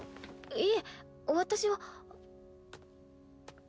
いえ私は。